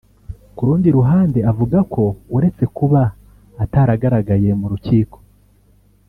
Ku rundi ruhande avuga ko uretse kuba ataragaragaye mu rukiko